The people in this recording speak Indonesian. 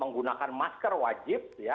menggunakan masker wajib